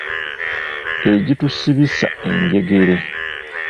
Egitusibisa enjegere.